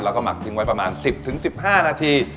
แล้วก็หมักทิ้งไว้ประมาณ๑๐๑๕นาที